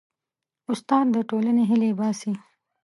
استاد د ټولنې هیلې باسي.